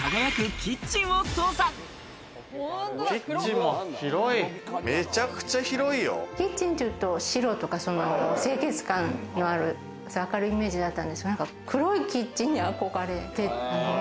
キッチンっていうと、白とか清潔感のある明るいイメージだったんですけど、黒いキッチンに憧れて。